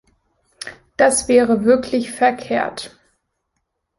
Das wäre wirklich verkehrt.